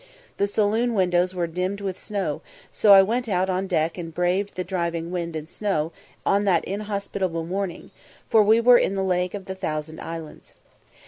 The saloon windows were dimmed with snow, so I went out on deck and braved the driving wind and snow on that inhospitable morning, for we were in the Lake of the Thousand Islands.